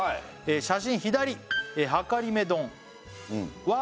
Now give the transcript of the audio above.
「写真左はかりめ丼は」